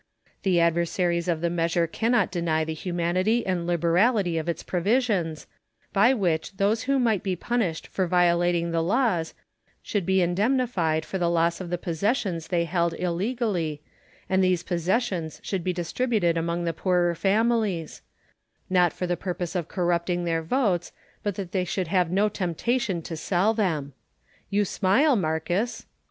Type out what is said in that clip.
The adversaries of the measure cannot deny the humanity and liberality of its provisions, by which those who might be punished for violating the laws should be indemnified for the loss of the possessions they held illegally, and these possessions should be distributed among the poorer families; not for the purpose of corrupting their votes, but tliat they should have no temptation to sell them. You smile, Marcus ! Marcus.